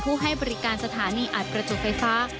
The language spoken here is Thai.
ให้บริการสถานีอัดประจุไฟฟ้า